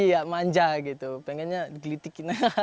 iya manja gitu pengennya digelitikin